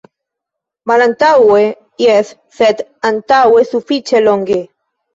Malantaŭe, jes, sed antaŭe sufiĉe longe.